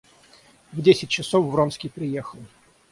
В десять часов Вронский приехал.